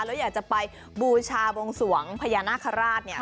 แล้วอยากจะไปบูชาบงสวงพญานาคาราชเนี่ย